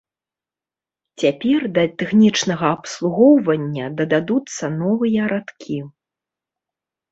Цяпер да тэхнічнага абслугоўвання дададуцца новыя радкі.